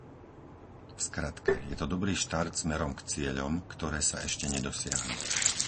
V skratke, je to dobrý štart smerom k cieľom, ktoré sa ešte nedosiahli.